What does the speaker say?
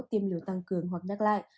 tiêm lửa tăng cường hoặc nhắc lại